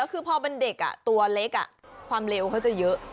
คือพอเป็นเด็กตัวเล็กความเร็วเขาจะเยอะ